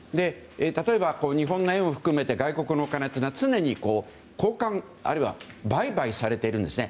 例えば、日本の円を含めて外国のお金は常に交換あるいは売買されているんです。